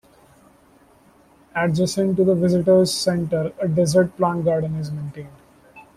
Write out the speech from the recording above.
Adjacent to the Visitor's Center, a desert plant garden is maintained.